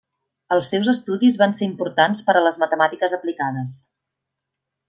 Els seus estudis van ser importants per a les matemàtiques aplicades.